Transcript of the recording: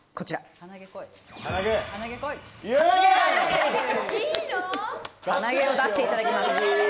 鼻毛を出していただきます。